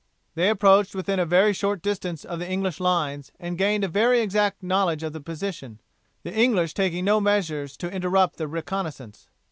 They approached within a very short distance of the English lines and gained a very exact knowledge of the position, the English taking no measures to interrupt the reconnaissance.